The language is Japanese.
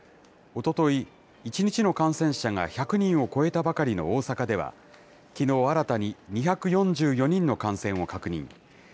おととい、１日の感染者が１００人を超えたばかりの大阪では、きのう新たに２４４人の感染を確認。